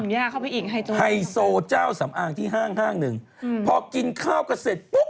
ยากเข้าไปอีกฮาลุงค์เจ้าสำอางที่ห้างหนึ่งถ้ากินข้าวก็เสร็จปุ๊บ